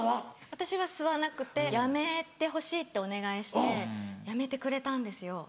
私は吸わなくてやめてほしいってお願いしてやめてくれたんですよ。